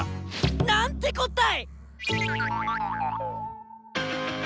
なんてこったい！